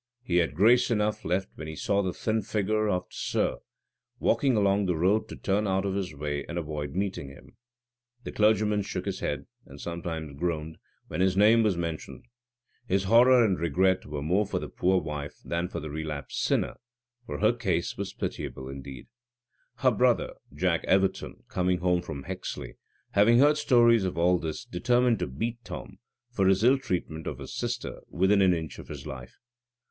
He had grace enough left when he saw the thin figure of "t' sir" walking along the road to turn out of his way and avoid meeting him. The clergyman shook his head, and sometimes groaned, when his name was mentioned. His horror and regret were more for the poor wife than for the relapsed sinner, for her case was pitiable indeed. Her brother, Jack Everton, coming over from Hexley, having heard stories of all this, determined to beat Tom, for his ill treatment of his sister, within an inch of his life.